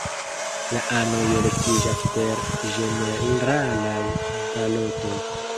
La anoj elektiĝas per ĝeneralaj balotoj.